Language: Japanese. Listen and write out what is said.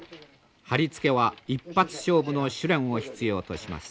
貼り付けは一発勝負の手練を必要とします。